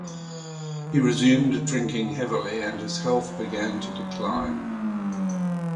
He resumed drinking heavily and his health began to decline.